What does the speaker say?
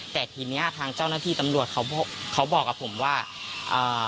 แต่ทีเนี้ยทางเจ้าหน้าที่ตำรวจเขาเขาบอกกับผมว่าอ่า